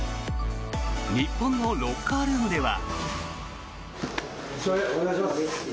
日本のロッカールームでは。